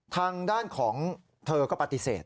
ทางด้านของเธอก็ปฏิเสธ